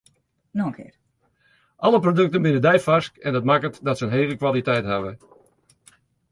Alle produkten binne deifarsk en dat makket dat se in hege kwaliteit hawwe.